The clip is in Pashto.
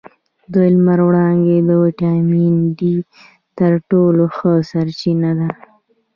د لمر وړانګې د ویټامین ډي تر ټولو ښه سرچینه ده